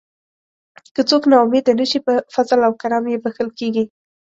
که څوک نا امید نشي په فضل او کرم یې بښل کیږي.